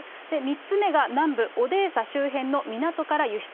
３つ目が南部オデーサ周辺の港から輸出。